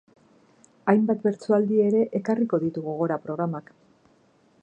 Hainbat bertsoaldi ere ekarriko ditu gogora programak.